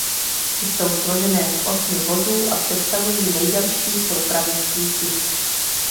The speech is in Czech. Jsou složené z osmi vozů a představují nejdelší soupravy v síti.